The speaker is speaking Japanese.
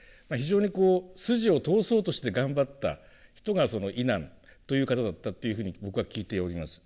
非常にこう筋を通そうとして頑張った人がその以南という方だったというふうに僕は聞いております。